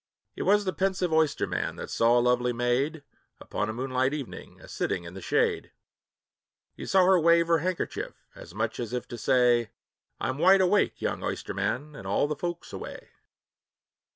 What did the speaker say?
It was the pensive oysterman that saw a lovely maid, Upon a moonlight evening, a sitting in the shade; He saw her wave her handkerchief, as much as if to say, "I 'm wide awake, young oysterman, and all the folks away."